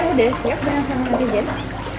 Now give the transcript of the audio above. udah siap bang sampe nanti jes